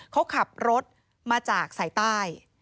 เขาขับรถมาจากสายใต้